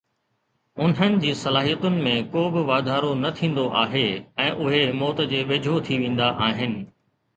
انهن جي صلاحيتن ۾ ڪو به واڌارو نه ٿيندو آهي ۽ اهي موت جي ويجهو ٿي ويندا آهن